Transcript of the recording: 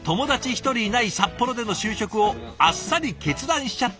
一人いない札幌での就職をあっさり決断しちゃったんですって。